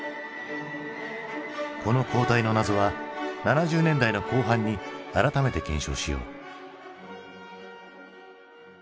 この交代の謎は７０年代の後半に改めて検証しよう。